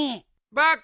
バカ。